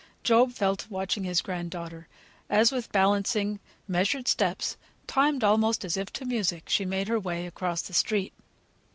Job fell to watching his grand daughter, as with balancing, measured steps, timed almost as if to music, she made her way across the street.